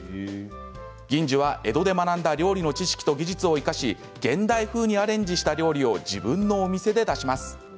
銀次は江戸で学んだ料理の知識と技術を生かし現代風にアレンジした料理を自分のお店で出します。